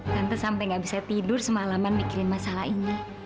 tante sampai gak bisa tidur semalaman mikirin masalah ini